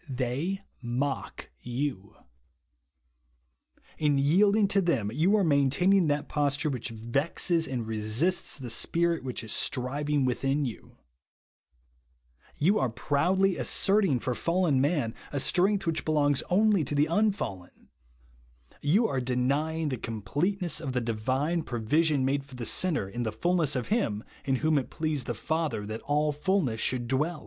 They mock you. In yielding to them you are main taining that posture which vexes and re sists the Spirit which is striving within you ; you are proudly asserting for fallen man a strength which belongs only to the unfalien ; you are denying the completeness of the divine provision made for the sinner in the fulness of Him in whom it pleased the Father that all fulness should dv/elL THE WANT OF POWER TO BELIEVE.